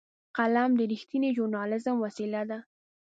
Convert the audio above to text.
قلم د رښتینې ژورنالېزم وسیله ده